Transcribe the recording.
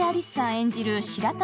演じる白玉